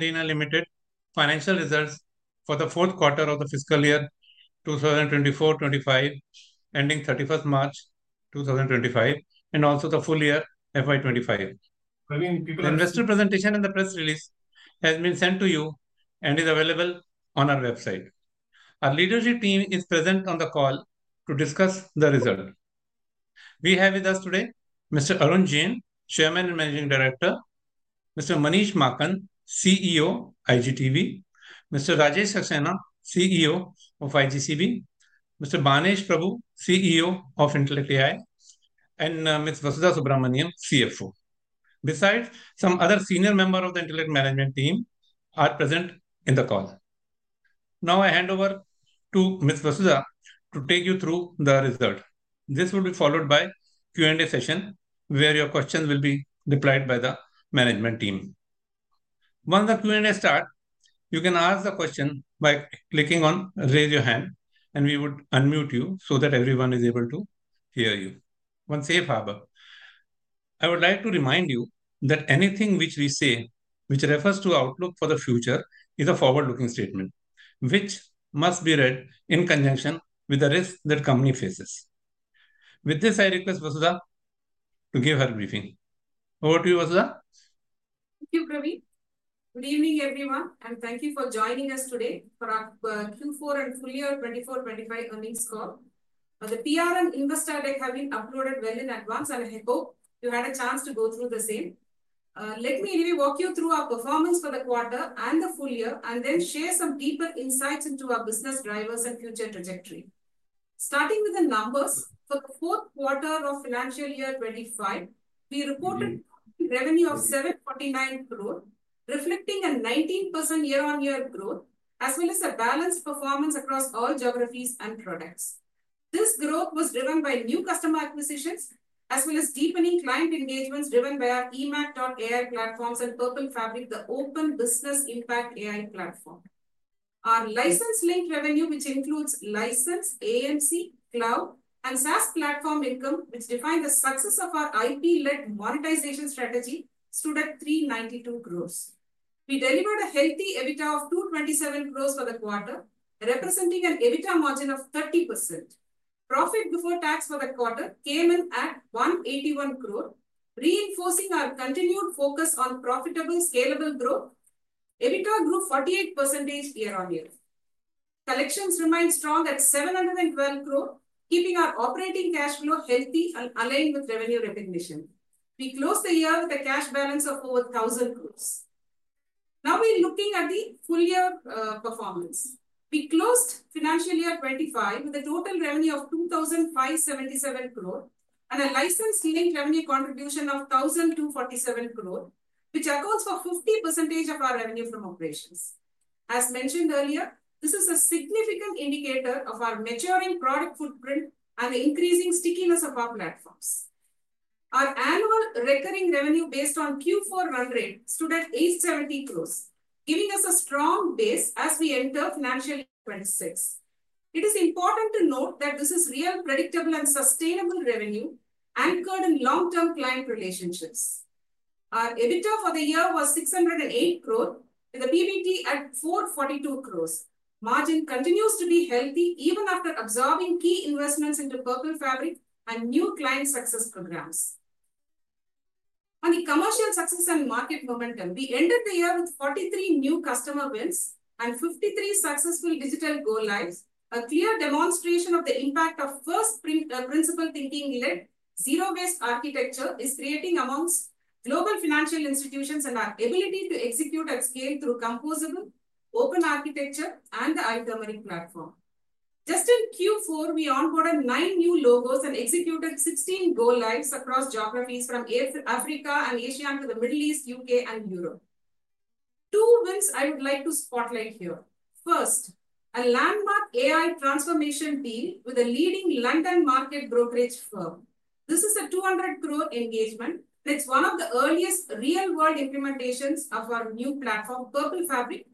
Design Arena, financial results for the fourth quarter of the fiscal year 2024-2025, ending 31 March 2025, and also the full year, FY2025. Investor presentation and the press release have been sent to you and are available on our website. Our leadership team is present on the call to discuss the result. We have with us today Mr. Arun Jain, Chairman and Managing Director; Mr. Manish Maakan, CEO, iGTB; Mr. Rajesh Saxena, CEO of iGCB; Mr. Banesh Prabhu, CEO of IntellectAI; and Ms. Vasudha Subramaniam, CFO. Besides, some other senior members of the Intellect management team are present on the call. Now, I hand over to Ms. Vasudha to take you through the result. This will be followed by a Q&A session where your questions will be replied to by the management team. Once the Q&A starts, you can ask the question by clicking on "Raise Your Hand," and we will unmute you so that everyone is able to hear you. Once they have asked, I would like to remind you that anything which we say, which refers to outlook for the future, is a forward-looking statement, which must be read in conjunction with the risk that the company faces. With this, I request Vasudha to give her briefing. Over to you, Vasudha. Thank you, Praveen. Good evening, everyone, and thank you for joining us today for our Q4 and full year 2024-2025 earnings call. The PR and investor deck have been uploaded well in advance, and I hope you had a chance to go through the same. Let me walk you through our performance for the quarter and the full year, and then share some deeper insights into our business drivers and future trajectory. Starting with the numbers, for the fourth quarter of financial year 2025, we reported revenue of 749 crore, reflecting a 19% year-on-year growth, as well as a balanced performance across all geographies and products. This growth was driven by new customer acquisitions, as well as deepening client engagements driven by our eMACH.ai platforms and Purple Fabric, the Open Business Impact AI platform. Our license-linked revenue, which includes license, AMC, cloud, and SaaS platform income, which defined the success of our IP-led monetization strategy, stood at 392 crore. We delivered a healthy EBITDA of 227 crore for the quarter, representing an EBITDA margin of 30%. Profit before tax for the quarter came in at 181 crore, reinforcing our continued focus on profitable, scalable growth. EBITDA grew 48% year-on-year. Collections remained strong at 712 crore, keeping our operating cash flow healthy and aligned with revenue recognition. We closed the year with a cash balance of over 1,000 crore. Now, we're looking at the full year performance. We closed financial year 2025 with a total revenue of 2,577 crore and a license-linked revenue contribution of 1,247 crore, which accounts for 50% of our revenue from operations. As mentioned earlier, this is a significant indicator of our maturing product footprint and the increasing stickiness of our platforms. Our annual recurring revenue based on Q4 run rate stood at 870 crore, giving us a strong base as we enter financial year 2026. It is important to note that this is real, predictable, and sustainable revenue anchored in long-term client relationships. Our EBITDA for the year was 608 crore, with a PBT at 442 crore. Margin continues to be healthy even after absorbing key investments into Purple Fabric and new client success programs. On the commercial success and market momentum, we ended the year with 43 new customer wins and 53 successful digital go-lives, a clear demonstration of the impact of first-principles thinking-led zero-based architecture is creating amongst global financial institutions and our ability to execute at scale through composable, open architecture, and the iThermal platform. Just in Q4, we onboarded nine new logos and executed 16 go-lives across geographies from Africa and Asia to the Middle East, U.K., and Europe. Two wins I would like to spotlight here. First, a landmark AI transformation deal with a leading London market brokerage firm. This is an 200 crore engagement, and it's one of the earliest real-world implementations of our new platform, Purple Fabric,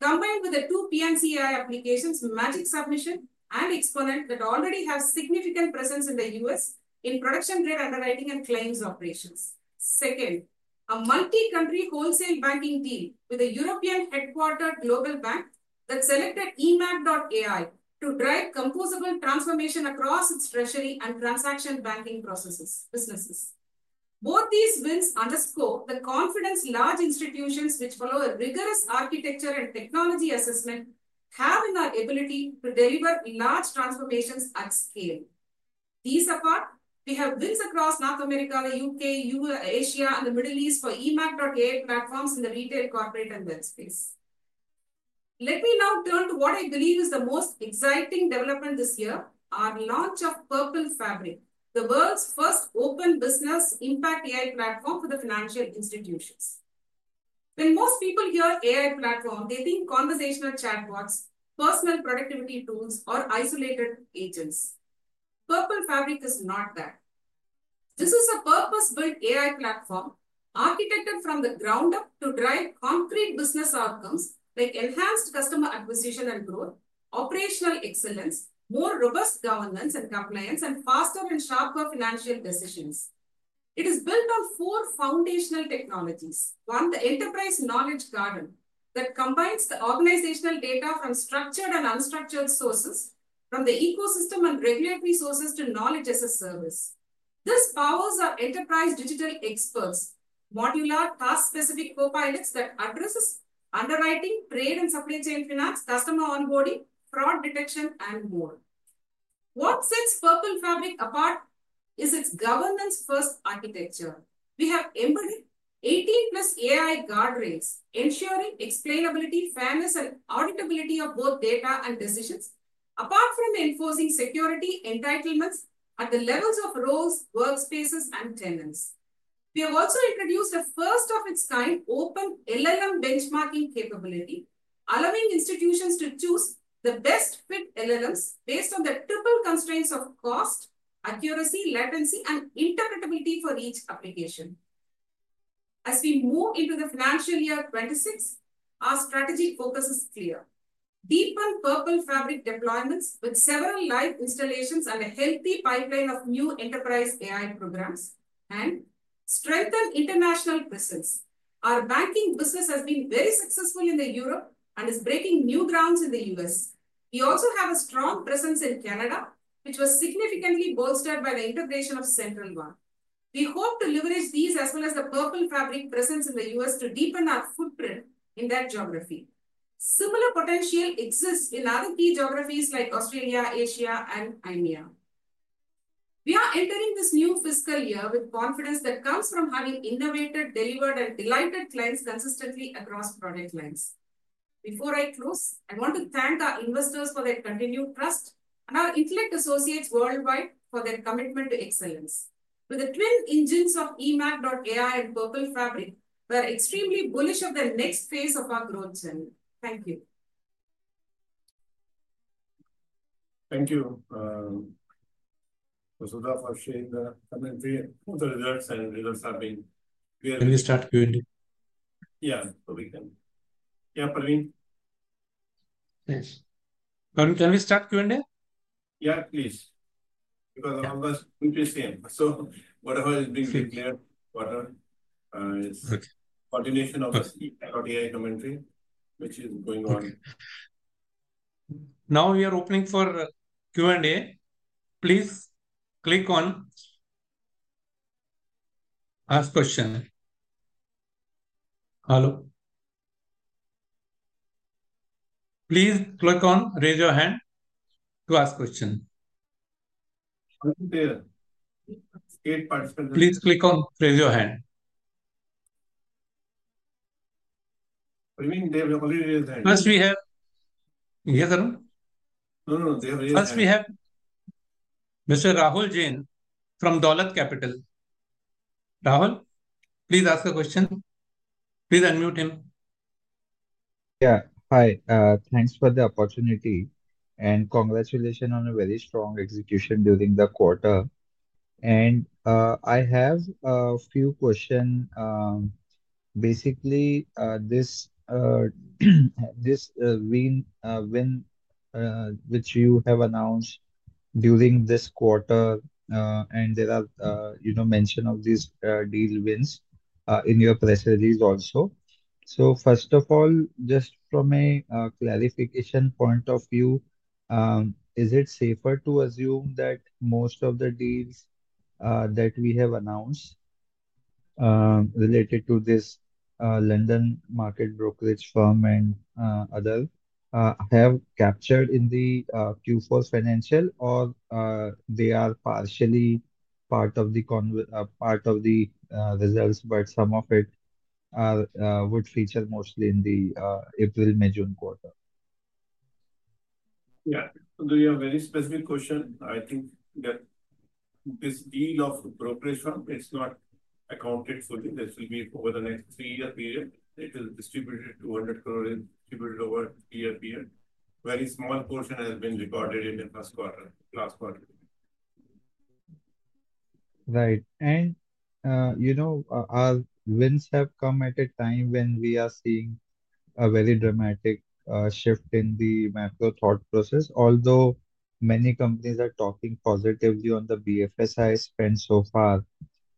combined with the two PMCI applications, Magic Submission and Exponent, that already have significant presence in the U.S. in production-grade underwriting and claims operations. Second, a multi-country wholesale banking deal with a European headquartered global bank that selected eMACH.ai to drive composable transformation across its treasury and transaction banking businesses. Both these wins underscore the confidence large institutions, which, following rigorous architecture and technology assessment, have in our ability to deliver large transformations at scale. These apart, we have wins across North America, the U.K., Asia, and the Middle East for eMACH.ai platforms in the retail, corporate, and web space. Let me now turn to what I believe is the most exciting development this year: our launch of Purple Fabric, the world's first open business impact AI platform for the financial institutions. When most people hear AI platform, they think conversational chatbots, personal productivity tools, or isolated agents. Purple Fabric is not that. This is a purpose-built AI platform architected from the ground up to drive concrete business outcomes like enhanced customer acquisition and growth, operational excellence, more robust governance and compliance, and faster and sharper financial decisions. It is built on four foundational technologies. One, the Enterprise Knowledge Garden that combines the organizational data from structured and unstructured sources, from the ecosystem and regulatory sources to knowledge as a service. This powers our enterprise digital experts, modular task-specific copilots that address underwriting, trade and supply chain finance, customer onboarding, fraud detection, and more. What sets Purple Fabric apart is its governance-first architecture. We have embedded 18-plus AI guardrails, ensuring explainability, fairness, and auditability of both data and decisions, apart from enforcing security entitlements at the levels of roles, workspaces, and tenants. We have also introduced a first-of-its-kind open LLM benchmarking capability, allowing institutions to choose the best-fit LLMs based on the triple constraints of cost, accuracy, latency, and interpretability for each application. As we move into the financial year 2026, our strategy focus is clear: deepen Purple Fabric deployments with several live installations and a healthy pipeline of new enterprise AI programs, and strengthen international presence. Our banking business has been very successful in Europe and is breaking new grounds in the US. We also have a strong presence in Canada, which was significantly bolstered by the integration of Central 1. We hope to leverage these as well as the Purple Fabric presence in the US to deepen our footprint in that geography. Similar potential exists in other key geographies like Australia, Asia, and EMEA. We are entering this new fiscal year with confidence that comes from having innovated, delivered, and delighted clients consistently across product lines. Before I close, I want to thank our investors for their continued trust and our Intellect Associates worldwide for their commitment to excellence. With the twin engines of eMACH.ai and Purple Fabric, we are extremely bullish on the next phase of our growth journey. Thank you. Thank you, Vasudha, for sharing the commentary. The results and results have been... Can we start Q&A? Yeah, so we can. Yeah, Praveen. Thanks. Can we start Q&A? Yeah, please. Because all of us are in the same room, so whatever is being declared, whatever is... Okay. Continuation of the AI commentary, which is going on. Now we are opening for Q&A. Please click on Ask question. Hello. Please click on "Raise your hand" to ask a question. Please click on "Raise your hand". First, we have... Yes, sir? No, no, they have raised their hands. First, we have... Mr. Rahul Jain from Dolat Capital. Rahul, please ask a question. Please unmute him. Yeah, hi. Thanks for the opportunity and congratulations on a very strong execution during the quarter. I have a few questions. Basically, this win which you have announced during this quarter, and there are mentions of these deal wins in your press release also. First of all, just from a clarification point of view, is it safer to assume that most of the deals that we have announced related to this London market brokerage firm and others have captured in the Q4 financial, or they are partially part of the results, but some of it would feature mostly in the April-May-June quarter? Yeah, do you have a very specific question? I think that this deal of brokerage firm is not accounted for. This will be over the next three-year period. It is 200 crore distributed over a year period. Very small portion has been recorded in the last quarter. Right. Our wins have come at a time when we are seeing a very dramatic shift in the macro thought process, although many companies are talking positively on the BFSI spend so far.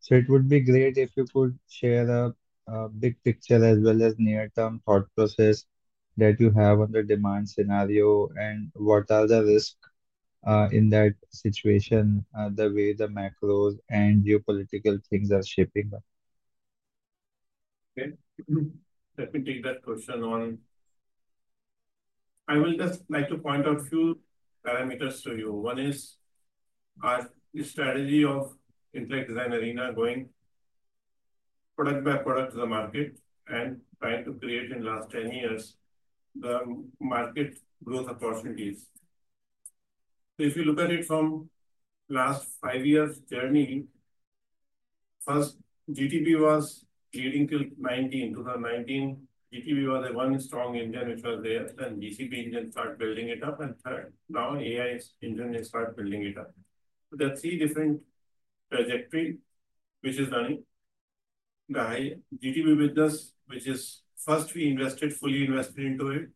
It would be great if you could share a big picture as well as near-term thought process that you have on the demand scenario and what are the risks in that situation, the way the macros and geopolitical things are shaping? Okay. Let me take that question on. I will just like to point out a few parameters to you. One is our strategy of Intellect Design Arena going product by product to the market and trying to create in the last 10 years the market growth opportunities. If you look at it from the last five years' journey, first, GTB was leading till 2019. GTB was the one strong engine which was there, and GCB engine started building it up. Third, now AI engine is starting building it up. There are three different trajectories which are running. The high GTB business, which is first we invested, fully invested into it,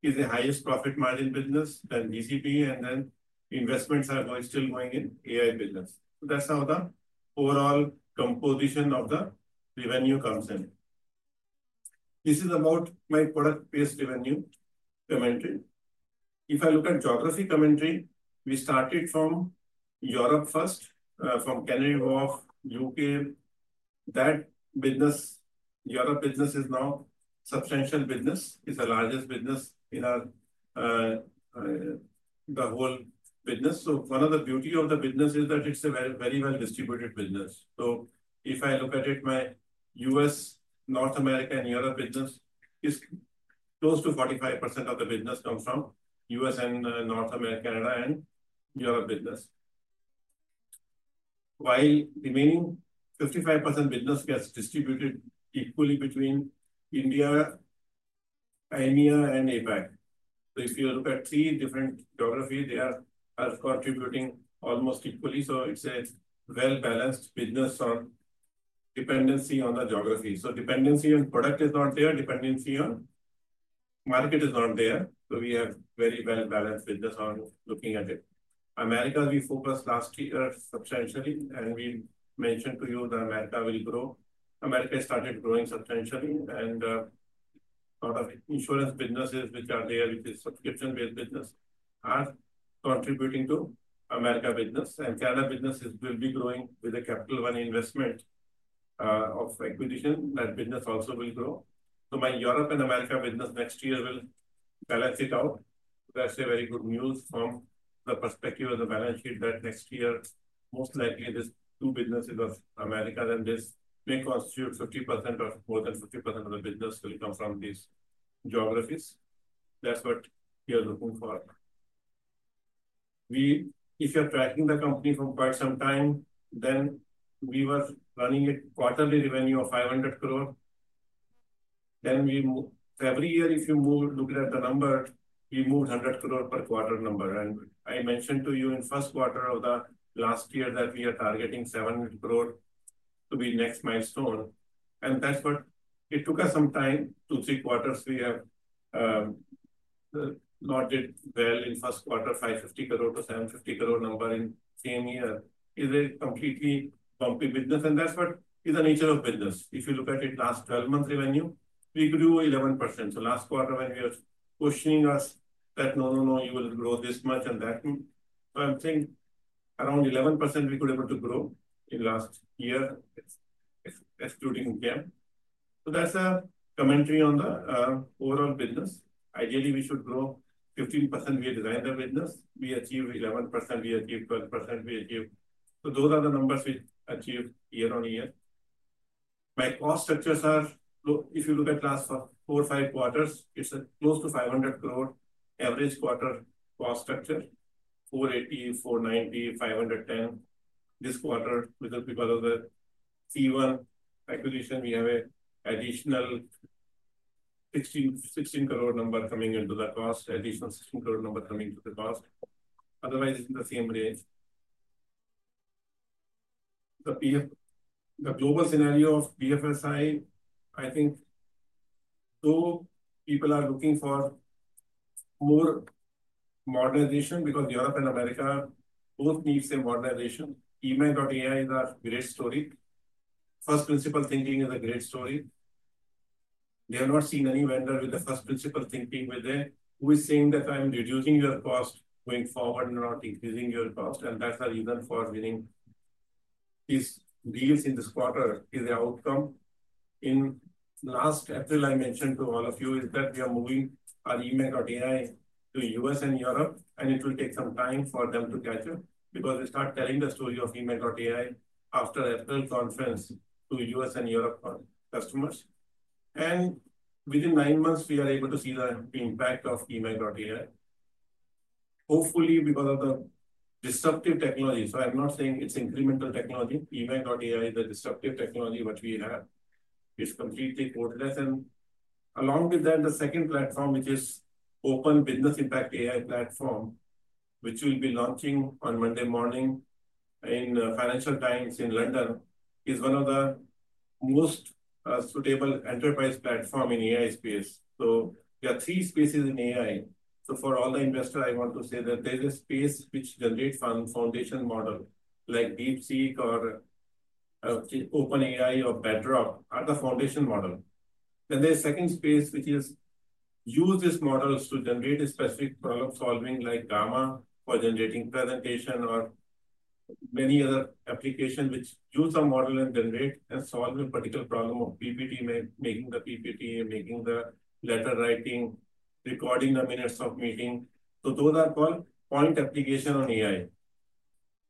is the highest profit margin business, then GCB, and then investments are still going in AI business. That is how the overall composition of the revenue comes in. This is about my product-based revenue commentary. If I look at geography commentary, we started from Europe first, from Canada, U.K. That business, Europe business is now a substantial business. It's the largest business in the whole business. One of the beauties of the business is that it's a very well-distributed business. If I look at it, my U.S., North America, and Europe business is close to 45% of the business comes from U.S. and North America, Canada, and Europe business. While the remaining 55% business gets distributed equally between India, EMEA, and APAC. If you look at three different geographies, they are contributing almost equally. It's a well-balanced business on dependency on the geography. Dependency on product is not there. Dependency on market is not there. We have a very well-balanced business on looking at it. America, we focused last year substantially, and we mentioned to you that America will grow. America started growing substantially, and a lot of insurance businesses which are there, which is subscription-based business, are contributing to America business. Canada business will be growing with a Central 1 investment of acquisition. That business also will grow. My Europe and America business next year will balance it out. That's very good news from the perspective of the balance sheet that next year, most likely, these two businesses of America and this may constitute 50% or more than 50% of the business will come from these geographies. That's what we are looking for. If you're tracking the company for quite some time, then we were running a quarterly revenue of 500 crore. Every year, if you look at the number, we moved 100 crore per quarter number. I mentioned to you in the first quarter of the last year that we are targeting 700 crore to be the next milestone. That's what it took us some time, two, three quarters. We have not done well in the first quarter, 550 crore to 750 crore number in the same year. It is a completely bumpy business. That is the nature of business. If you look at it, last 12 months' revenue, we grew 11%. Last quarter, when we were questioning us that, "No, no, no, you will grow this much and that much," I think around 11% we could have grown in the last year, excluding GAM. That is a commentary on the overall business. Ideally, we should grow 15%. We designed the business. We achieved 11%. We achieved 12%. We achieved. Those are the numbers we achieved year on year. My cost structures are low. If you look at the last four or five quarters, it's close to 500 crore average quarter cost structure: 480 crore, 490 crore, 510 crore this quarter. Because of the C1 acquisition, we have an additional 16 crore number coming into the cost, an additional 16 crore number coming to the cost. Otherwise, it's in the same range. The global scenario of BFSI, I think people are looking for more modernization because Europe and America both need modernization. eMACH.ai is a great story. First-Principles Thinking is a great story. They have not seen any vendor with the First-Principles Thinking, who is saying that, "I'm reducing your cost going forward and not increasing your cost." That is the reason for winning these deals in this quarter is the outcome. In last April, I mentioned to all of you that we are moving our eMACH.ai to the U.S. and Europe, and it will take some time for them to catch up because we started telling the story of eMACH.ai after the April conference to U.S. and Europe customers. Within nine months, we are able to see the impact of eMACH.ai, hopefully because of the disruptive technology. I'm not saying it's incremental technology. eMACH.ai is a disruptive technology, which we have. It's completely codeless. Along with that, the second platform, which is Open Business Impact AI platform, which we'll be launching on Monday morning in Financial Times in London, is one of the most suitable enterprise platforms in the AI space. There are three spaces in AI. For all the investors, I want to say that there is a space which generates foundation models like DeepSeek or OpenAI or Bedrock are the foundation models. Then there's a second space which is to use these models to generate a specific problem solving like GAMA for generating presentations or many other applications which use a model and generate and solve a particular problem of PPT, making the PPT, making the letter writing, recording the minutes of meetings. Those are called point applications on AI,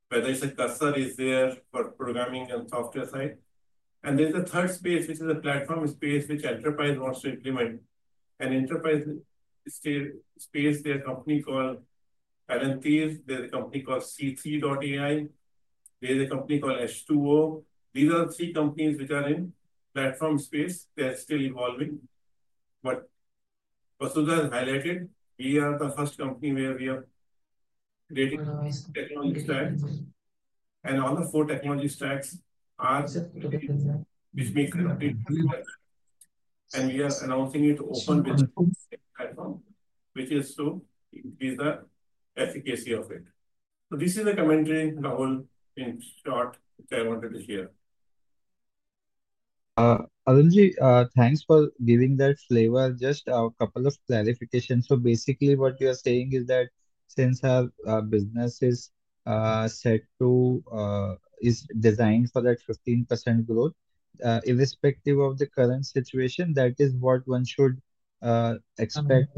whether it's a cursor that is there for programming and software side. There's a third space, which is a platform space which enterprises want to implement. In enterprise space, there's a company called Palantir, there's a company called c3.ai, there's a company called S20. These are the three companies which are in the platform space that are still evolving. Vasudha has highlighted we are the first company where we are creating technology stacks. All the four technology stacks are which we created. We are announcing it open with the platform, which is to increase the efficacy of it. This is the commentary, Rahul, in short, which I wanted to share. Arun Jain, thanks for giving that flavor. Just a couple of clarifications. Basically, what you are saying is that since our business is set to is designed for that 15% growth, irrespective of the current situation, that is what one should expect.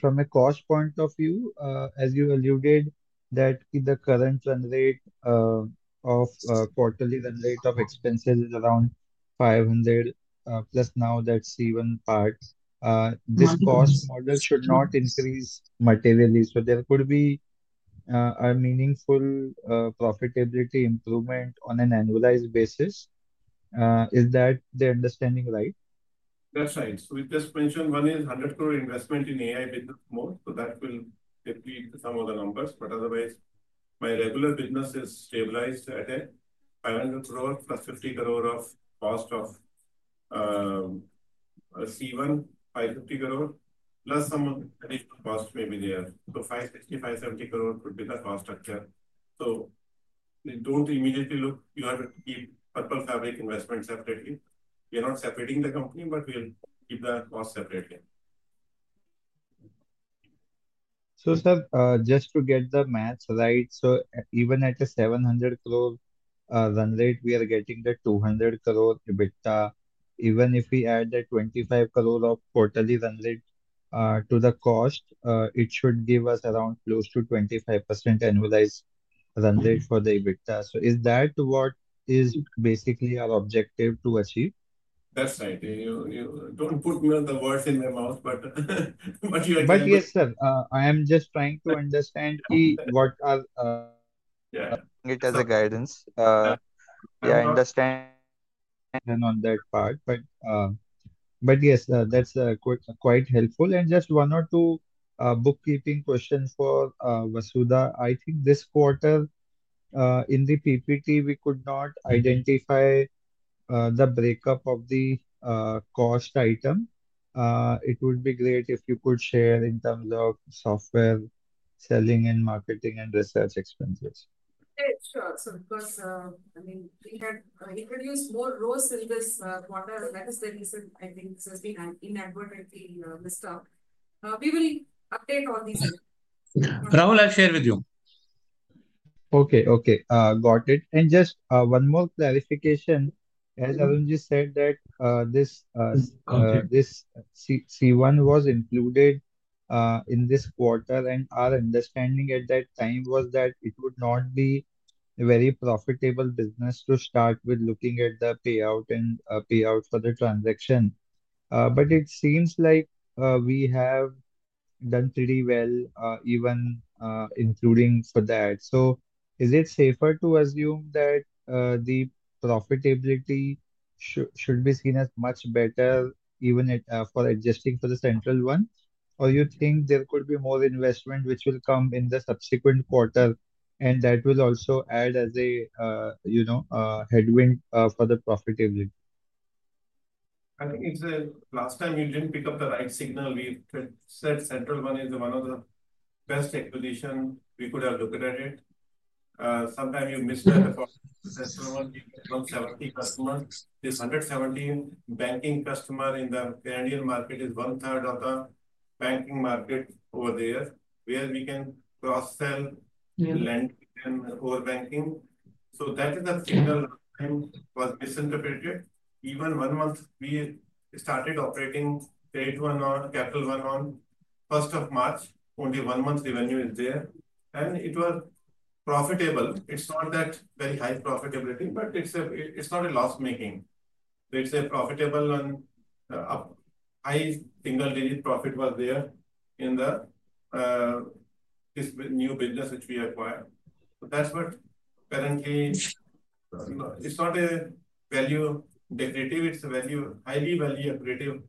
From a cost point of view, as you alluded, the current quarterly run rate of expenses is around 500 crore plus, now that's even part. This cost model should not increase materially. There could be a meaningful profitability improvement on an annualized basis. Is that the understanding right? That's right. We just mentioned one is 100 crore investment in AI business mode. That will deplete some of the numbers. Otherwise, my regular business is stabilized at 500 crore plus 50 crore of cost of C1, 550 crore plus some additional cost may be there. 560 crore-570 crore could be the cost structure. Don't immediately look. You have to keep Purple Fabric investment separately. We are not separating the company, but we'll keep the cost separately. So sir, just to get the maths right, even at a 700 crore run rate, we are getting the 200 crore EBITDA. Even if we add the 25 crore of quarterly run rate to the cost, it should give us around close to 25% annualized run rate for the EBITDA. Is that what is basically our objective to achieve? That's right. You don't put the words in my mouth, but you achieve it. Yes, sir. I am just trying to understand what are. It as a guidance. Yeah, I understand on that part. Yes, that's quite helpful. Just one or two bookkeeping questions for Vasudha. I think this quarter, in the PPT, we could not identify the breakup of the cost item. It would be great if you could share in terms of software selling and marketing and research expenses. Sure. Because I mean, we had introduced more rows in this quarter. That is the reason I think this has been inadvertently missed out. We will update all these items. Rahul, I'll share with you. Okay. Okay. Got it. Just one more clarification. As Arun Jain said, that this C1 was included in this quarter. Our understanding at that time was that it would not be a very profitable business to start with looking at the payout and payout for the transaction. It seems like we have done pretty well even including for that. Is it safer to assume that the profitability should be seen as much better even for adjusting for the Central 1? Or do you think there could be more investment which will come in the subsequent quarter? That will also add as a headwind for the profitability. I think it's a last time you didn't pick up the right signal. We said Central 1 is one of the best acquisitions. We could have looked at it. Sometime you missed that the Central 1 becomes 70 customers. This 117 banking customer in the Canadian market is one-third of the banking market over there where we can cross-sell lending and overbanking. That is a signal last time was misinterpreted. Even one month, we started operating trade one on Capital One on 1st of March. Only one month revenue is there. And it was profitable. It's not that very high profitability, but it's not a loss-making. It's a profitable and high single-digit profit was there in this new business which we acquired. That's what currently it's not a value decorative. It's a highly value-operative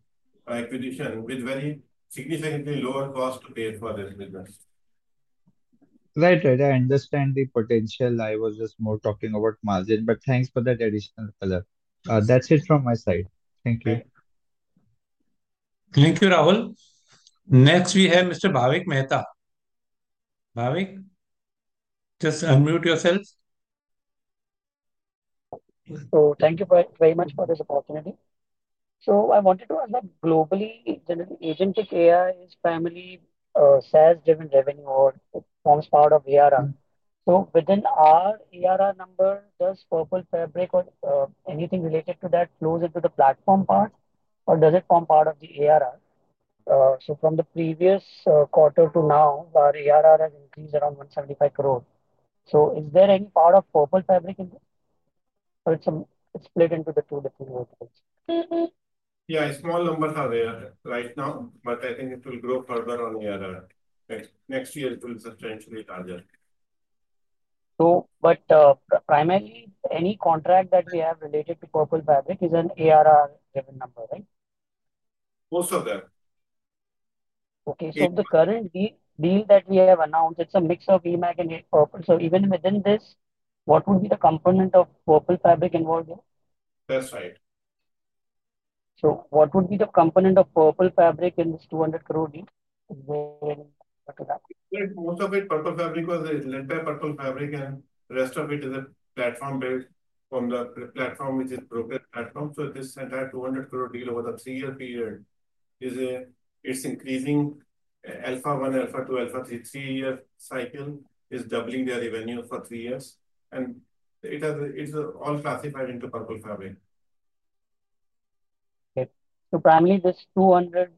acquisition with very significantly lower cost to pay for this business. Right. I understand the potential. I was just more talking about margin. Thanks for that additional color. That is it from my side. Thank you. Thank you, Rahul. Next, we have Mr. Bhavik Mehta. Bhavik, just unmute yourself. Thank you very much for this opportunity. I wanted to ask that globally, Agentic AI is primarily SaaS-driven revenue or forms part of ARR. Within our ARR number, does Purple Fabric or anything related to that flow into the platform part, or does it form part of the ARR? From the previous quarter to now, our ARR has increased around 175 crore. Is there any part of Purple Fabric in this, or is it split into the two different verticals? Yeah, small numbers are there right now, but I think it will grow further on ARR. Next year, it will be substantially larger. Primarily, any contract that we have related to Purple Fabric is an ARR-driven number, right? Most of them. Okay. So the current deal that we have announced, it's a mix of eMACH and Purple. So even within this, what would be the component of Purple Fabric involved here? That's right. What would be the component of Purple Fabric in this 200 crore deal? Most of it, Purple Fabric was a lent-a-Purple Fabric, and the rest of it is a platform-based from the platform, which is brokered platform. This entire 200 crore deal over the three-year period is increasing alpha one, alpha two, alpha three. Three-year cycle is doubling their revenue for three years. It is all classified into Purple Fabric. Okay. So primarily, this 200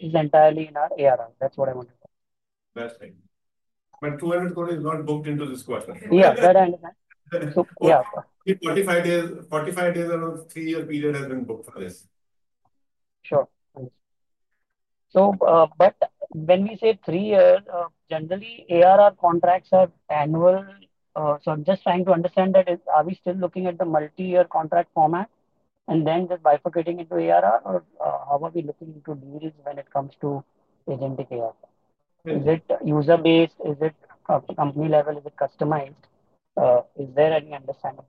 is entirely in our ARR. That's what I wanted to ask. That's right. However, INR 200 crore is not booked into this quarter. Yeah. I understand. Yeah. Forty-five days around three-year period has been booked for this. Sure. But when we say three-year, generally, ARR contracts are annual. I'm just trying to understand that. Are we still looking at the multi-year contract format and then just bifurcating into ARR, or how are we looking into deals when it comes to Agentic ARR? Is it user-based? Is it company-level? Is it customized? Is there any understanding?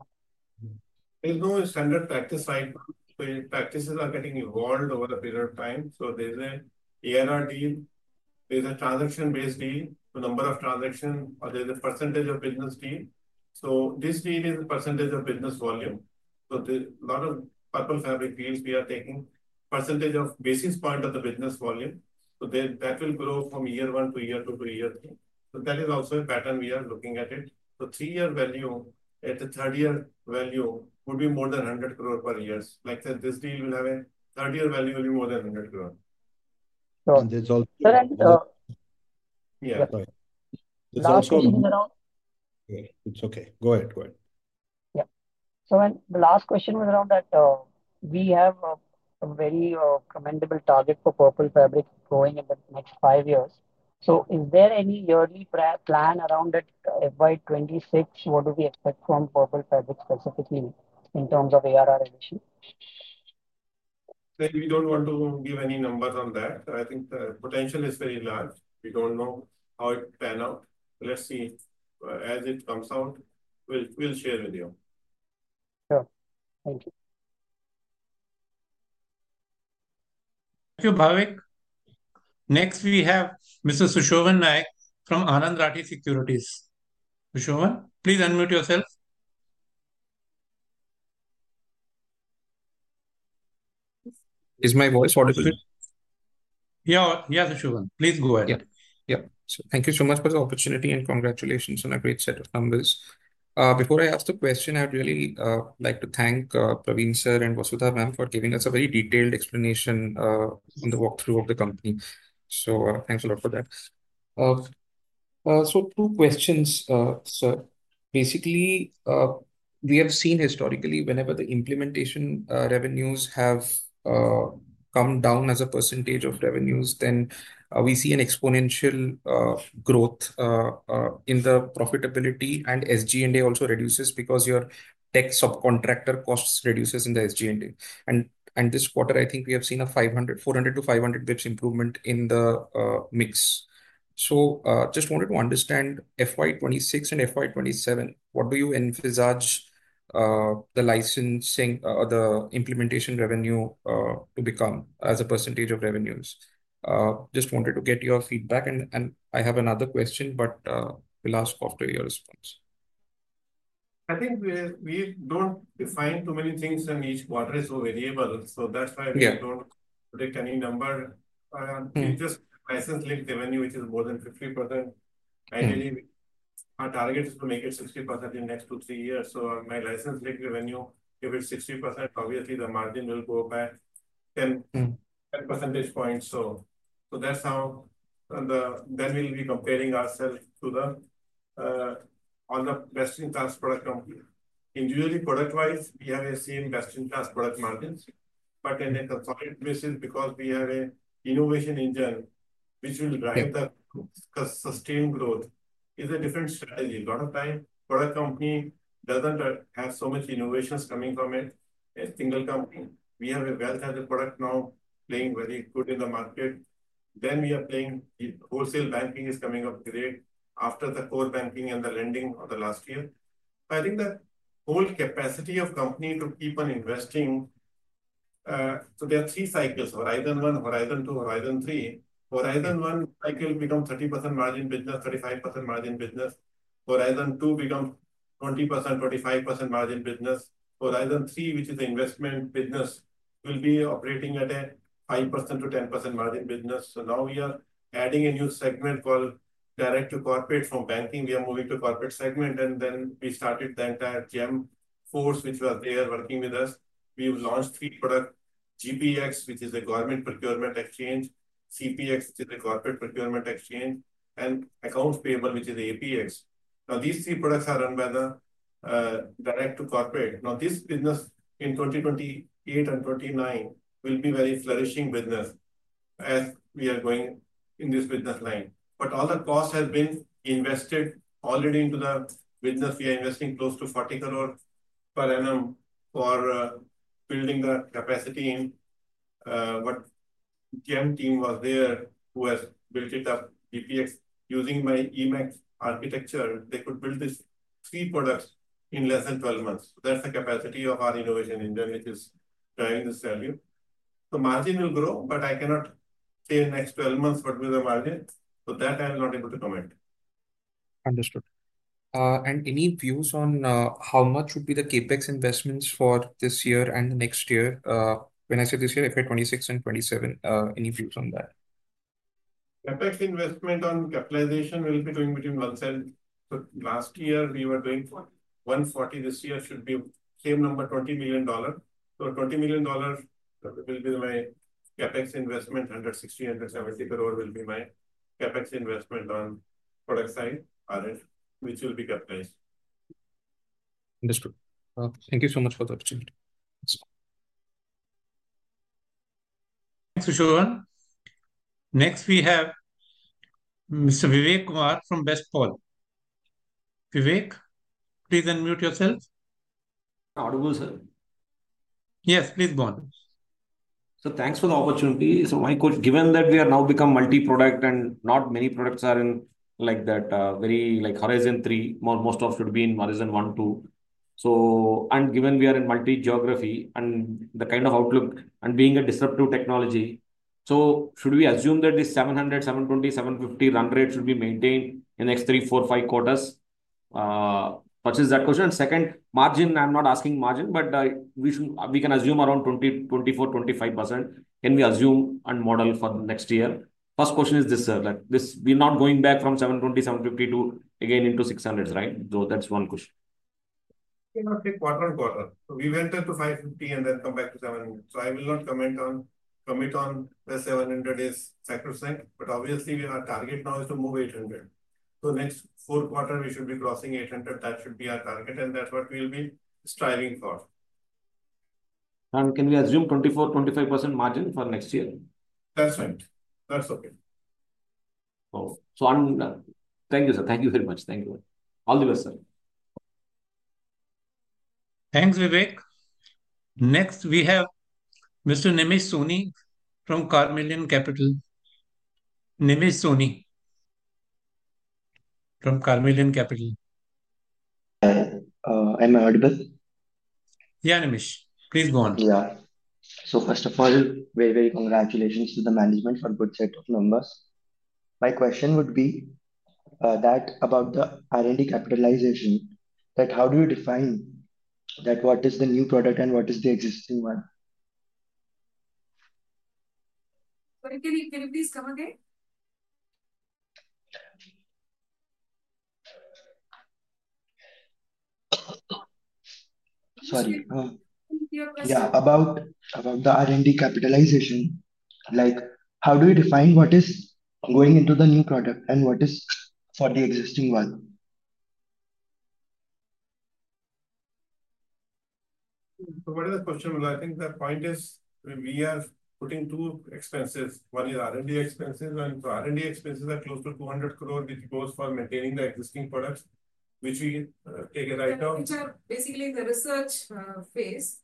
There's no standard practice right now. Practices are getting evolved over a period of time. There's an ARR deal, there's a transaction-based deal, the number of transactions, or there's a percentage of business deal. This deal is a percentage of business volume. A lot of Purple Fabric deals, we are taking percentage of basis point of the business volume. That will grow from year one to year two to year three. That is also a pattern we are looking at. Three-year value at the third-year value would be more than 100 crore per year. Like this deal will have a third-year value will be more than 100 crore. Sir. Yeah. Yeah. Last question around. It's okay. Go ahead. Go ahead. Yeah. The last question was around that we have a very commendable target for Purple Fabric growing in the next five years. Is there any yearly plan around that by 2026? What do we expect from Purple Fabric specifically in terms of ARR addition? We don't want to give any numbers on that. I think the potential is very large. We don't know how it will pan out. Let's see as it comes out. We'll share with you. Sure. Thank you. Thank you, Bhavik. Next, we have Mr. Sushovan Naik from Anand Rathi Securities. Sushovan, please unmute yourself. Is my voice audible? Yeah. Yeah, Sushovan. Please go ahead. Yeah. Thank you so much for the opportunity and congratulations on a great set of numbers. Before I ask the question, I would really like to thank Praveen Sir and Vasudha Ma'am for giving us a very detailed explanation on the walkthrough of the company. Thanks a lot for that. Two questions, sir. Basically, we have seen historically whenever the implementation revenues have come down as a percentage of revenues, we see an exponential growth in the profitability. SG&A also reduces because your tech subcontractor costs reduce in the SG&A. This quarter, I think we have seen a 400-500 basis points improvement in the mix. I just wanted to understand for FY 2026 and FY 2027, what do you envisage the licensing or the implementation revenue to become as a percentage of revenues? I just wanted to get your feedback. I have another question, but we'll ask after your response. I think we don't define too many things in each quarter. It's so variable. That's why we don't predict any number. We just license linked revenue, which is more than 50%. I believe our target is to make it 60% in the next two-three years. My license linked revenue, if it's 60%, obviously the margin will go back 10 percentage points. That's how we will be comparing ourselves to all the best-in-class product companies. Individually, product-wise, we have the same best-in-class product margins. On a consolidated basis, because we have an innovation engine which will drive the sustained growth, it's a different strategy. A lot of times, a product company doesn't have so much innovation coming from a single company. We have a well-tested product now playing very good in the market. We are playing wholesale banking is coming up great after the core banking and the lending of the last year. I think the whole capacity of company to keep on investing. There are three cycles: Horizon One, Horizon Two, Horizon Three. Horizon One cycle becomes 30% margin business, 35% margin business. Horizon Two becomes 20%, 25% margin business. Horizon Three, which is an investment business, will be operating at a 5%-10% margin business. Now we are adding a new segment called direct-to-corporate from banking. We are moving to corporate segment. We started the entire GEM force, which was there working with us. We launched three products: GPX, which is a government procurement exchange; CPX, which is a corporate procurement exchange; and Accounts Payable, which is APX. These three products are run by the direct-to-corporate. Now, this business in 2028 and 2029 will be a very flourishing business as we are going in this business line. All the cost has been invested already into the business. We are investing close to 40 crore per annum for building the capacity in. The GEM team was there who has built it up. GPX, using my eMACH architecture, they could build these three products in less than 12 months. That is the capacity of our innovation engine, which is driving the value. The margin will grow, but I cannot say in the next 12 months what will the margin be. That I am not able to comment. Understood. Any views on how much would be the CapEx investments for this year and the next year? When I say this year, I mean 2026 and 2027. Any views on that? CapEx investment on capitalization will be doing between 170 crore. Last year, we were doing 140 crore. This year should be same number, $20 million. So $20 million will be my CapEx investment. 160 crore-170 crore will be my CapEx investment on product side, which will be capitalized. Understood. Thank you so much for the opportunity. Thanks, Sushovan. Next, we have Mr. Vivek Kumar from VISPL. Vivek, please unmute yourself. Audible, sir? Yes, please go on. Thanks for the opportunity. Given that we have now become multi-product and not many products are in that very, like, Horizon Three, most should be in Horizon One, Two. Given we are in multi-geography and the kind of outlook and being a disruptive technology, should we assume that this 700 crore-720 crore-INR 750 crore run rate should be maintained in the next three, four, five quarters? That is just that question. Second, margin, I am not asking margin, but we can assume around 20%-24%-25%. Can we assume and model for the next year? First question is this, sir. We are not going back from 720 crore-750 crore to again into INR 600s crore, right? That is one question. Quarter on quarter. We went into 550 crore and then come back to 700 crore. I will not comment on the 700 crore is sacrosanct. Obviously, our target now is to move 800 crore. Next four quarters, we should be crossing 800 crore. That should be our target. That is what we will be striving for. Can we assume 24%-25% margin for next year? That's right. That's okay. Oh. Thank you, sir. Thank you very much. Thank you. All the best, sir. Thanks, Vivek. Next, we have Mr. Nimish Soni from Carnelian Capital. I'm audible? Yeah, Nimish. Please go on. Yeah. First of all, very, very congratulations to the management for a good set of numbers. My question would be that about the R&D capitalization, how do you define what is the new product and what is the existing one? Sorry, can you please come again? Sorry. Yeah. About the R&D capitalization, how do you define what is going into the new product and what is for the existing one? What is the question? I think the point is we are putting two expenses. One is R&D expenses. R&D expenses are close to 200 crore, which goes for maintaining the existing products, which we take a write-off. Which are basically the research phase.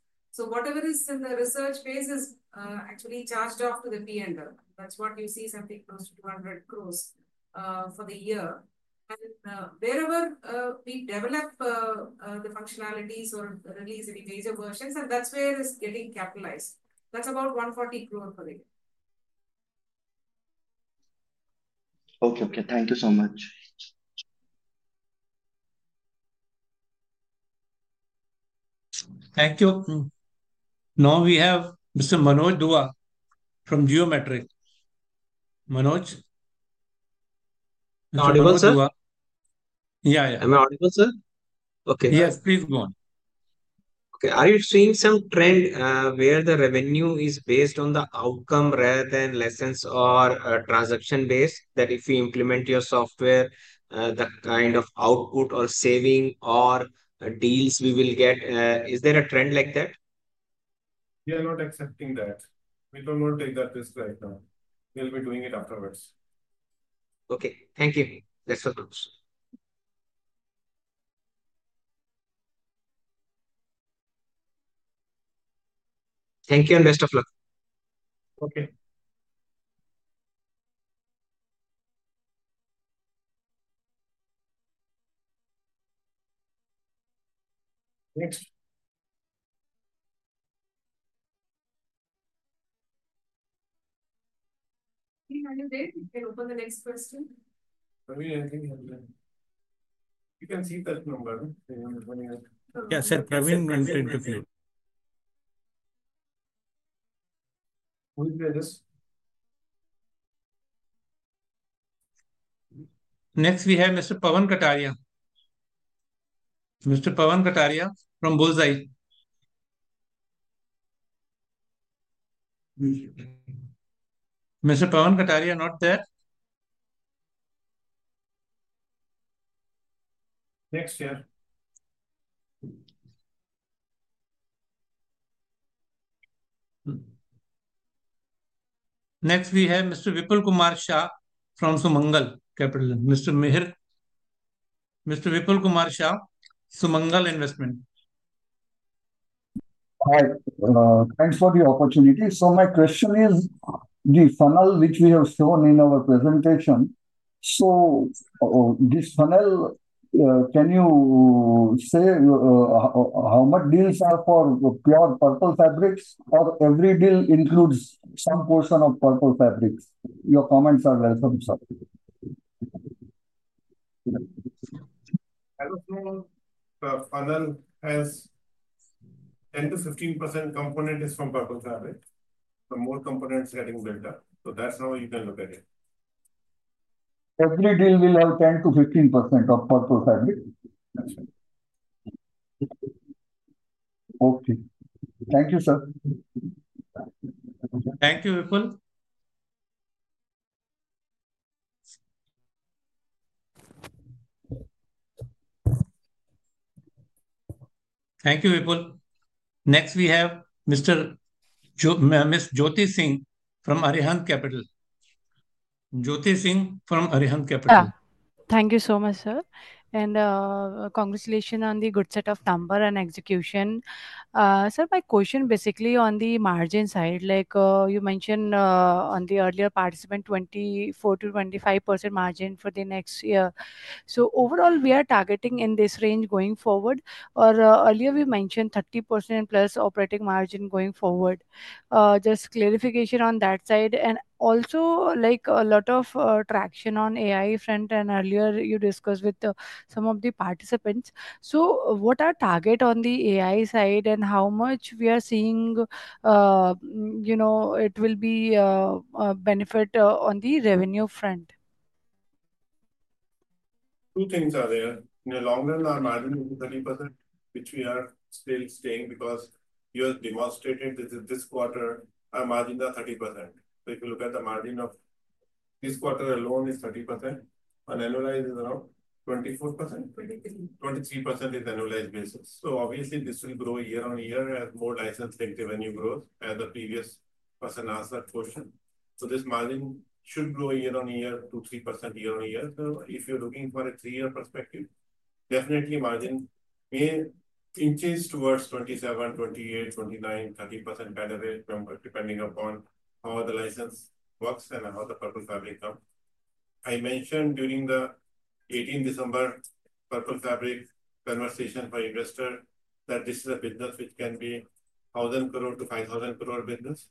Whatever is in the research phase is actually charged off to the P&L. That is what you see, something close to 200 crore for the year. Wherever we develop the functionalities or release any major versions, that is where it is getting capitalized. That is about 140 crore per year. Okay. Okay. Thank you so much. Thank you. Now we have Mr. Manoj Dua from Geometric. Manoj? Audible, sir? Yeah, yeah. Am I audible, sir? Okay. Yes, please go on. Okay. Are you seeing some trend where the revenue is based on the outcome rather than license or transaction-based? That if we implement your software, the kind of output or saving or deals we will get, is there a trend like that? We are not accepting that. We do not take that risk right now. We'll be doing it afterwards. Okay. Thank you. Best of luck. Okay. You can open the next question. Yeah, sir. Praveen, we went into view. Next, we have Mr. Pawan Kattaria. Mr. Pawan Kattaria from Bhulzai. Mr. Pawan Kattaria, not there? Next year. Next, we have Mr. Vipul Kumar Shah from Sumangal Capital. Mr. Vipul Kumar Shah, Sumangal Investment. Thanks for the opportunity. My question is the funnel which we have shown in our presentation. This funnel, can you say how many deals are for pure Purple Fabric or every deal includes some portion of Purple Fabric? Your comments are welcome, sir. I would say the funnel has 10%-15% component is from Purple Fabric. The more components getting builter. So that's how you can look at it. Every deal will have 10%-15% of Purple Fabric. Okay. Thank you, sir. Thank you, Vipul. Next, we have Ms. Jyoti Singh from Arihant Capital. Yeah. Thank you so much, sir. And congratulations on the good set of number and execution. Sir, my question basically on the margin side, like you mentioned on the earlier participant 24%-25% margin for the next year. Overall, we are targeting in this range going forward. Or earlier, we mentioned 30% plus operating margin going forward. Just clarification on that side. Also, like a lot of traction on AI front and earlier you discussed with some of the participants. What are target on the AI side and how much we are seeing it will be benefit on the revenue front? Two things are there. In the long run, our margin is 30%, which we are still staying because you have demonstrated this quarter, our margin is 30%. If you look at the margin of this quarter alone, it is 30%. On annualized, it is around 24%. 23%. 23% is annualized basis. Obviously, this will grow year on year as more license-linked revenue grows as the previous person asked that question. This margin should grow year on year to 3% year-on-year. If you're looking for a three-year perspective, definitely margin may increase towards 27%-30% kind of range depending upon how the license works and how the Purple Fabric comes. I mentioned during the 18 December Purple Fabric conversation for investor that this is a business which can be 1,000 crore to 5,000 crore business.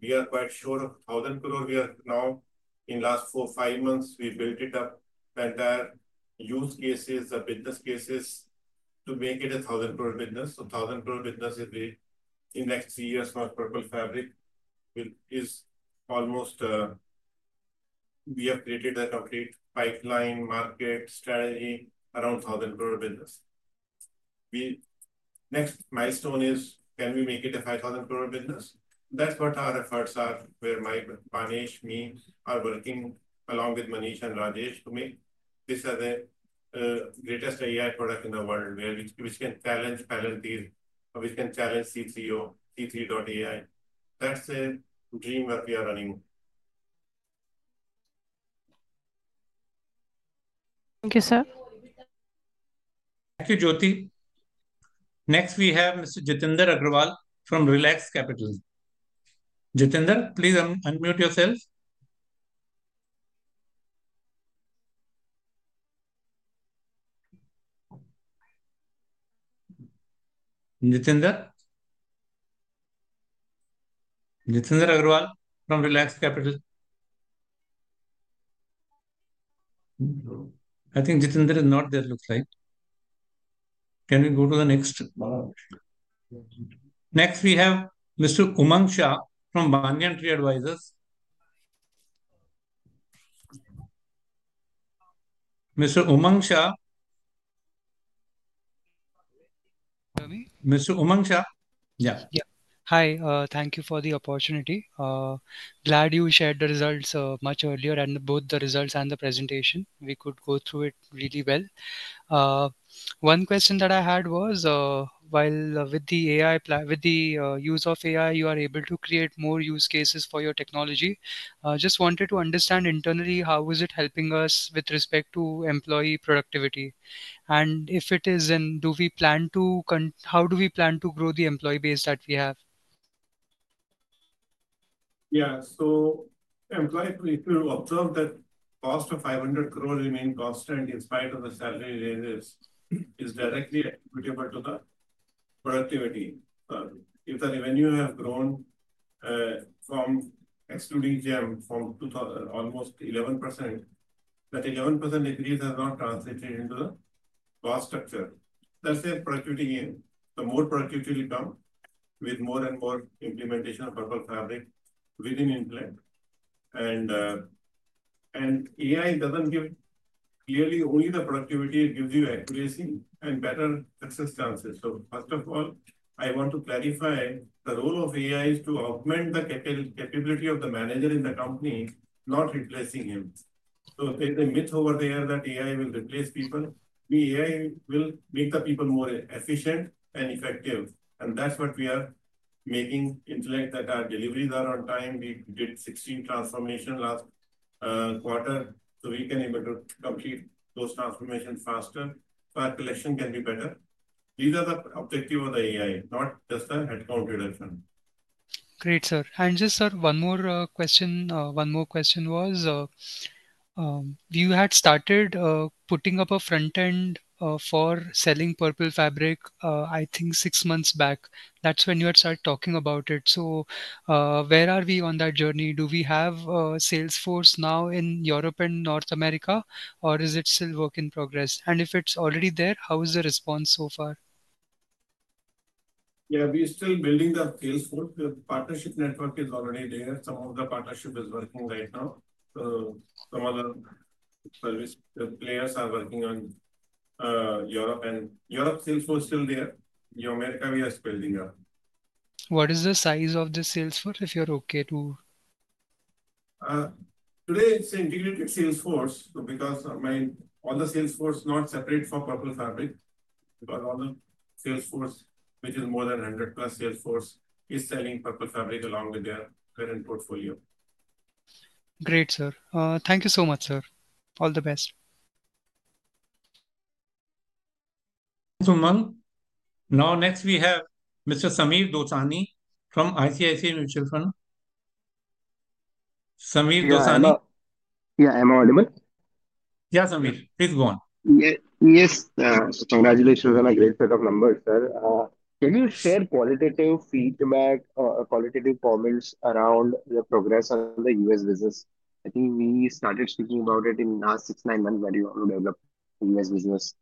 We are quite sure of 1,000 crore. We are now in the last four-five months, we built it up entire use cases, the business cases to make it a 1,000 crore business. 1,000 crore business is the in the next three years for Purple Fabric is almost we have created a complete pipeline market strategy around 1,000 crore business. Next milestone is can we make it a 5,000 crore business? That's what our efforts are where my Banesh, me are working along with Manish and Rajesh to make this as the greatest AI product in the world which can challenge Palantir, which can challenge c3.ai. That's the dream that we are running. Thank you, sir. Thank you, Jyoti. Next, we have Mr. Jitinder Agarwal from Relax Capital. Jitinder, please unmute yourself. Jitinder? Jitinder Agarwal from Relax Capital. I think Jitinder is not there, it looks like. Can we go to the next? Next, we have Mr. Umang Shah from Banyan Tree Advisors. Mr. Umang Shah? Sorry? Mr. Umang Shah? Yeah. Hi. Thank you for the opportunity. Glad you shared the results much earlier and both the results and the presentation. We could go through it really well. One question that I had was, while with the use of AI, you are able to create more use cases for your technology. Just wanted to understand internally how is it helping us with respect to employee productivity? If it is, then do we plan to how do we plan to grow the employee base that we have? Yeah. So employee, if you observe that cost of 500 crore remained constant in spite of the salary raises, is directly attributable to the productivity. If the revenue has grown from excluding GEM from almost 11%, that 11% increase has not translated into the cost structure. That's the productivity gain. More productivity will come with more and more implementation of Purple Fabric within implement. AI does not give clearly only the productivity. It gives you accuracy and better success chances. First of all, I want to clarify the role of AI is to augment the capability of the manager in the company, not replacing him. There is a myth over there that AI will replace people. AI will make the people more efficient and effective. That's what we are making at Intellect, that our deliveries are on time. We did 16 transformations last quarter. We can be able to complete those transformations faster. Our collection can be better. These are the objectives of the AI, not just the headcount reduction. Great, sir. And just, sir, one more question. One more question was, you had started putting up a front end for selling Purple Fabric, I think, six months back. That is when you had started talking about it. Where are we on that journey? Do we have a sales force now in Europe and North America, or is it still a work in progress? If it is already there, how is the response so far? Yeah, we are still building the sales force. The partnership network is already there. Some of the partnership is working right now. Some of the players are working on Europe. And Europe's sales force is still there. New America we are still doing our. What is the size of the sales force, if you're okay to? Today, it's an integrated sales force. Because all the sales force is not separate for Purple Fabric. Because all the sales force, which is more than 100-plus sales force, is selling Purple Fabric along with their current portfolio. Great, sir. Thank you so much, sir. All the best. Thank you, Umang. Now, next, we have Mr. Sameer Dosani from ICICI Mutual Fund. Sameer Dosani. Yeah, am I audible? Yeah, Sameer. Please go on. Yes. Congratulations on a great set of numbers, sir. Can you share qualitative feedback, qualitative comments around the progress on the U.S. business? I think we started speaking about it in the last six, nine months when you developed the U.S. business.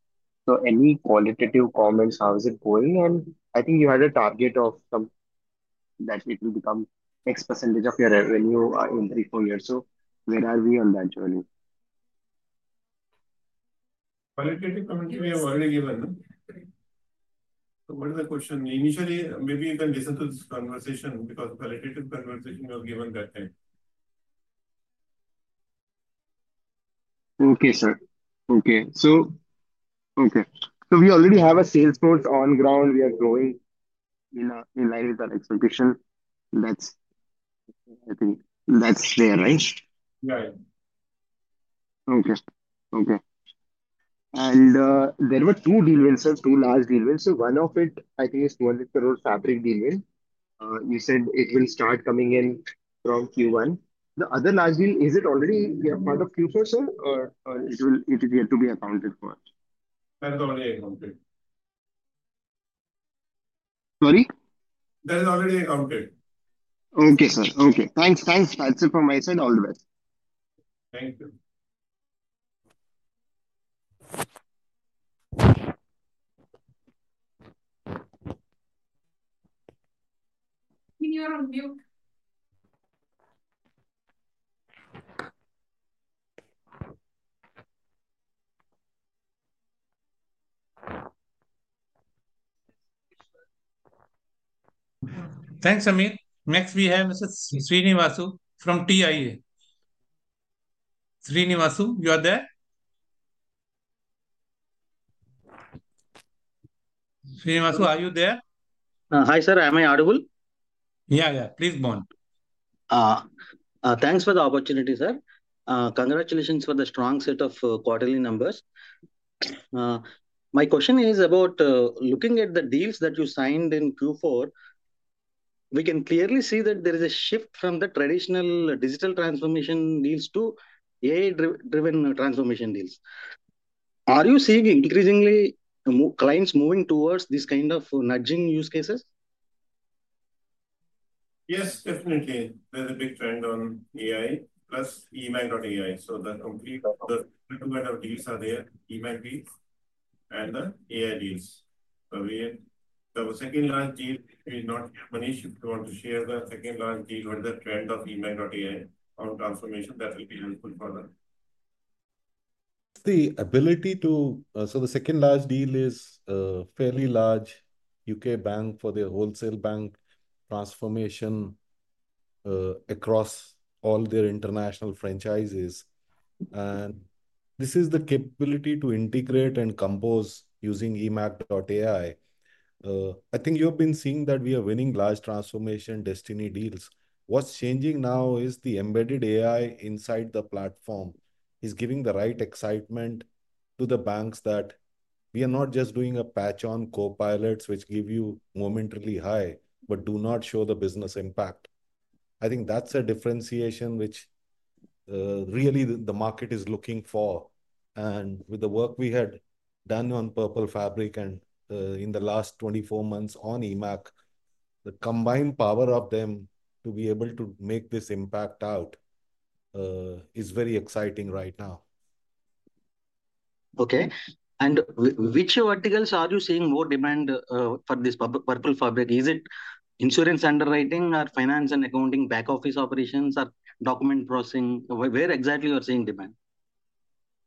Any qualitative comments, how is it going? I think you had a target of that it will become X % of your revenue in three, four years. Where are we on that journey? Qualitative comments we have already given. What is the question? Initially, maybe you can listen to this conversation because qualitative conversation we have given that time. Okay, sir. Okay. So we already have a sales force on ground. We are growing in line with our expectation. I think that's there, right? Yeah, yeah. Okay. Okay. There were two deal wins, sir, two large deal wins. One of it, I think, is 200 crore Fabric deal win. You said it will start coming in from Q1. The other large deal, is it already part of Q4, sir? Or will it yet to be accounted for? That is already accounted. Sorry? That is already accounted. Okay, sir. Okay. Thanks. Thanks. That's it from my side. All the best. You are on mute. Thanks, Sameer. Next, we have Mr. Srinivasu from TIA. Srinivasu, you are there? Srinivasu, are you there? Hi, sir. Am I audible? Yeah, yeah. Please go on. Thanks for the opportunity, sir. Congratulations for the strong set of quarterly numbers. My question is about looking at the deals that you signed in Q4. We can clearly see that there is a shift from the traditional digital transformation deals to AI-driven transformation deals. Are you seeing increasingly clients moving towards these kinds of nudging use cases? Yes, definitely. There's a big trend on AI plus eMACH.ai. So the complete two kinds of deals are there, eMACH deals and the AI deals. The second large deal is not Manish. If you want to share the second large deal, what is the trend of eMACH.ai on transformation, that will be helpful for the. The ability to do the second large deal is a fairly large U.K. bank for their wholesale bank transformation across all their international franchises. This is the capability to integrate and compose using eMACH.ai. I think you have been seeing that we are winning large transformation destiny deals. What is changing now is the embedded AI inside the platform is giving the right excitement to the banks that we are not just doing a patch on Copilots, which give you a momentary high, but do not show the business impact. I think that is a differentiation which really the market is looking for. With the work we had done on Purple Fabric and in the last 24 months on eMACH, the combined power of them to be able to make this impact out is very exciting right now. Okay. Which verticals are you seeing more demand for this Purple Fabric? Is it insurance underwriting or finance and accounting, back office operations or document processing? Where exactly are you seeing demand?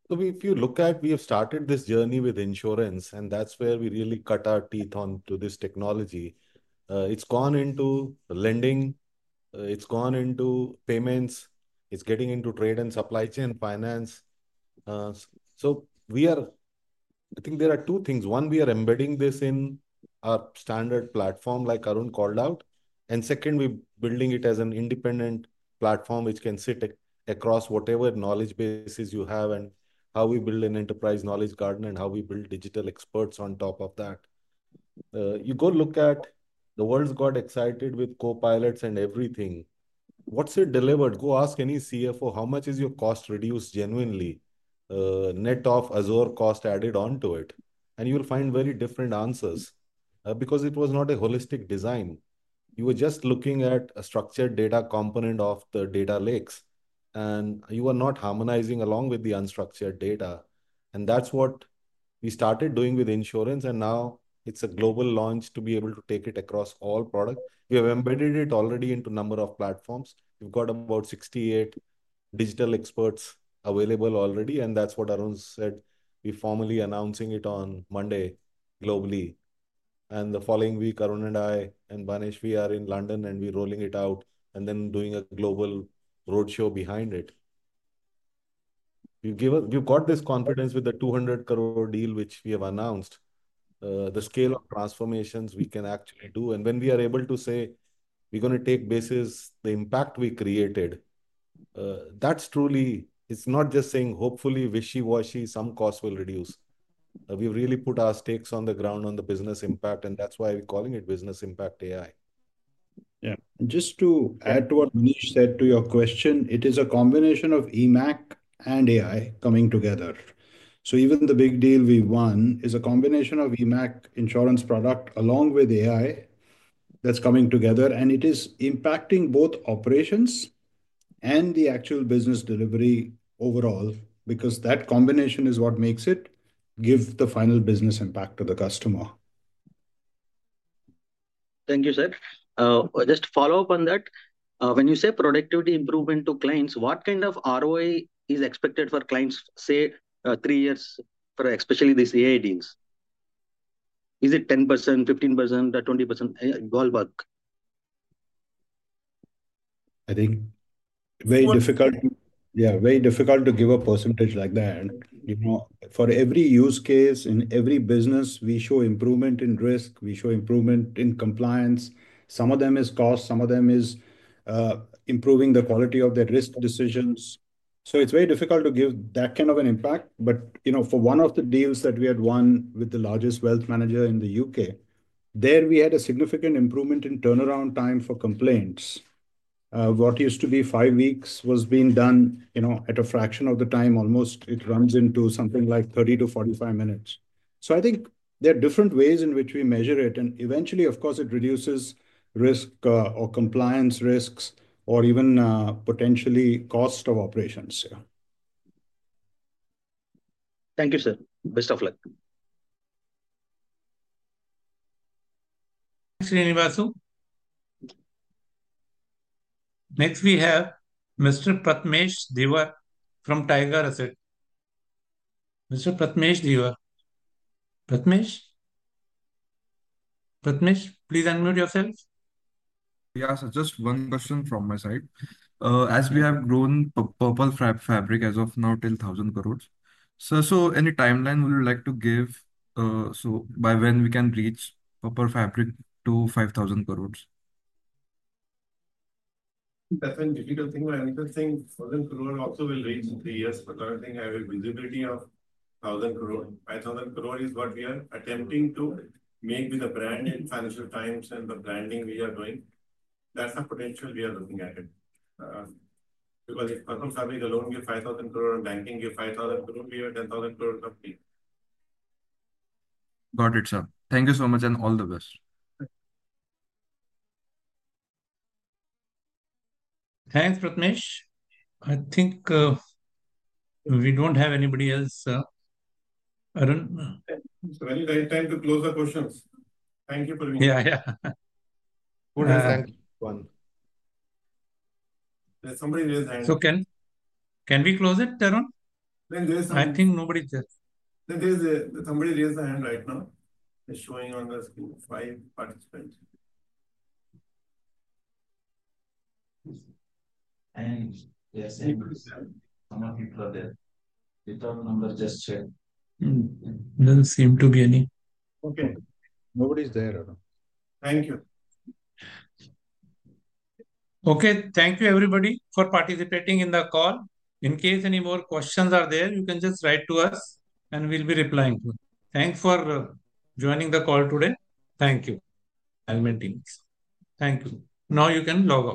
If you look at, we have started this journey with insurance, and that's where we really cut our teeth onto this technology. It's gone into lending. It's gone into payments. It's getting into trade and supply chain finance. We are, I think there are two things. One, we are embedding this in our standard platform like Arun called out. Second, we're building it as an independent platform, which can sit across whatever knowledge bases you have and how we build an enterprise knowledge garden and how we build digital experts on top of that. You go look at the world's got excited with Copilots and everything. What's it delivered? Go ask any CFO, how much is your cost reduced genuinely, net of Azure cost added onto it? You will find very different answers because it was not a holistic design. You were just looking at a structured data component of the data lakes, and you were not harmonizing along with the unstructured data. That is what we started doing with insurance. Now it is a global launch to be able to take it across all products. We have embedded it already into a number of platforms. We have about 68 digital experts available already. That is what Arun said. We are formally announcing it on Monday globally. The following week, Arun and I and Banesh, we are in London and we are rolling it out and then doing a global roadshow behind it. We have this confidence with the 200 crore deal, which we have announced, the scale of transformations we can actually do. When we are able to say we are going to take basis, the impact we created, that is truly, it is not just saying hopefully, wishy-washy, some cost will reduce. We have really put our stakes on the ground on the business impact, and that is why we are calling it business impact AI. Yeah. Just to add to what Manish said to your question, it is a combination of eMACH and AI coming together. Even the big deal we won is a combination of eMACH insurance product along with AI that is coming together. It is impacting both operations and the actual business delivery overall because that combination is what makes it give the final business impact to the customer. Thank you, sir. Just to follow up on that, when you say productivity improvement to clients, what kind of ROI is expected for clients, say, three years for especially these AI deals? Is it 10%, 15%, or 20%? I think very difficult to, yeah, very difficult to give a percentage like that. For every use case in every business, we show improvement in risk. We show improvement in compliance. Some of them is cost. Some of them is improving the quality of their risk decisions. It is very difficult to give that kind of an impact. For one of the deals that we had won with the largest wealth manager in the U.K., there we had a significant improvement in turnaround time for complaints. What used to be five weeks was being done at a fraction of the time. Almost it runs into something like 30-45 minutes. I think there are different ways in which we measure it. Eventually, of course, it reduces risk or compliance risks or even potentially cost of operations. Thank you, sir. Best of luck. Thanks, Srinivasu. Next, we have Mr. Prathmesh Deva from Tiger Assets, I said. Mr. Prathmesh Deva. Prathmesh? Prathmesh, please unmute yourself. Yeah, sir. Just one question from my side. As we have grown Purple Fabric as of now till 1,000 crore, sir, so any timeline we would like to give so by when we can reach Purple Fabric to INR 5,000 crore? Definitely. I think we are looking to think 1,000 crore also will reach in three years. I think I have a visibility of 1,000 crore. 5,000 crore is what we are attempting to make with the brand and Financial Times and the branding we are doing. That's the potential we are looking at it. Because if Purple Fabric alone, you have INR 5,000 crore in banking, you have 5,000 crore, we have 10,000 crore of fee. Got it, sir. Thank you so much and all the best. Thanks, Prathmesh. I think we do not have anybody else, sir. Arun? It's a very tight time to close the questions. Thank you for being here. Yeah, yeah. Who raised hand? Somebody raised hand. Can we close it, Arun? I think nobody's there. Somebody raised a hand right now. It's showing on the screen, five participants. Yes, some of you are there. You talk number, just check. Doesn't seem to be any. Okay. Nobody's there, Arun. Thank you. Okay. Thank you, everybody, for participating in the call. In case any more questions are there, you can just write to us, and we'll be replying. Thanks for joining the call today. Thank you, Alper Ilkbahar. Thank you. Now you can log.